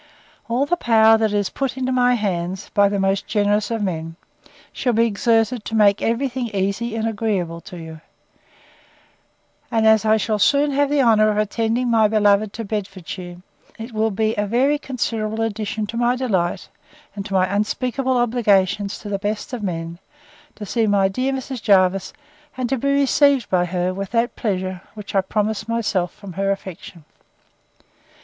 All the power that is put into my hands, by the most generous of men, shall be exerted to make every thing easy and agreeable to you: And as I shall soon have the honour of attending my beloved to Bedfordshire, it will be a very considerable addition to my delight, and to my unspeakable obligations to the best of men, to see my dear Mrs. Jervis, and to be received by her with that pleasure, which I promise myself from her affection.